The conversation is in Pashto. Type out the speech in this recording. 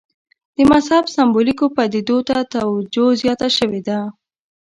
د مذهب سېمبولیکو پدیدو ته توجه زیاته شوې ده.